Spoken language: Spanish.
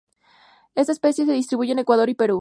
Esta especie se distribuye en Ecuador y Perú.